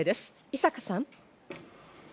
井坂さん。